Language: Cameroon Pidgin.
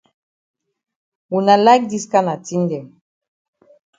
Wuna like dis kana tin dem.